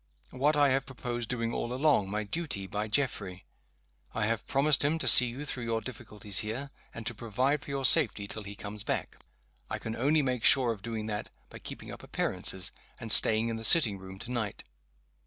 "What I have proposed doing all along my duty by Geoffrey. I have promised him to see you through your difficulties here, and to provide for your safety till he comes back. I can only make sure of doing that by keeping up appearances, and staying in the sitting room to night.